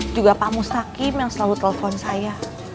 juga pak mustakim yang selalu telepon saya